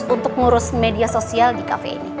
untuk ngurus media sosial di kafe ini